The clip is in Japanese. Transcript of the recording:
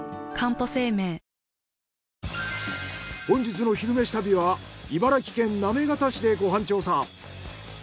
本日の「昼めし旅」は茨城県行方市でご飯調査。